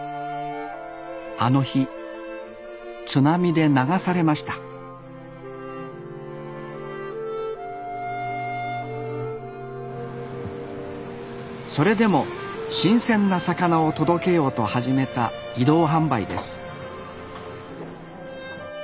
あの日津波で流されましたそれでも新鮮な魚を届けようと始めた移動販売です